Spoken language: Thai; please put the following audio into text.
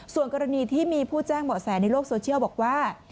ส่วนกรณีที่มีผู้แจ้งเบาะแสในโลกโซเชียลบอกว่า